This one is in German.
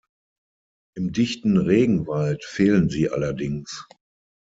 Im dichten Regenwald fehlen sie allerdings.